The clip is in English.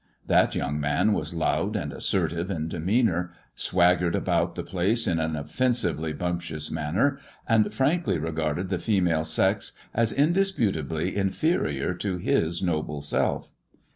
That young man was loud and assertive I demeanour, swaggered about the place in an offensively imptious manner, and frankly regarded the female sex > indisputably inferior to his noble self.